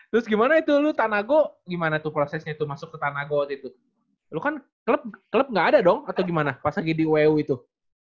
terus gimana itu lu tanago gimana tuh prosesnya itu masuk ke tanahgo waktu itu lu kan klub nggak ada dong atau gimana pas lagi di u itu